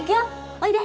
おいで！